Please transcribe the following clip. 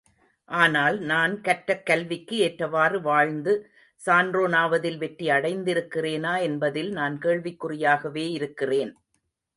ஆனால், நான் கற்றக் கல்விக்கு ஏற்றவாறு வாழ்ந்து, சான்றோன் ஆவதில் வெற்றி அடைந்திருக்கிறேனா என்பதில் நான் கேள்விக்குறியாகவே இருக்கிறேன்.